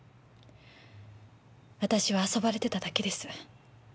私は遊ばれてただけです。